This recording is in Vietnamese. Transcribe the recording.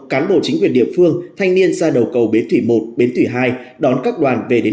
cán bộ chính quyền địa phương thanh niên ra đầu cầu bến thủy một bến thủy hai đón các đoàn về đến